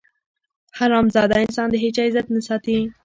حرامزاده انسان د هېچا عزت نه ساتي.